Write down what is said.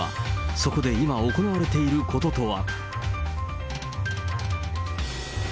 そこで今、行われていることとは。